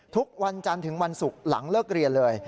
ทุกวันจันทร์ถึงวันศุกร์หลังเลิกเรียนเลย